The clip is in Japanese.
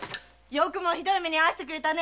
よくもひどい目に遭わせてくれたね！